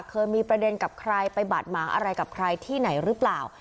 เคยมีประเด็นกับใครไปบาดหมางอะไรกับใครที่ไหนหรือเปล่า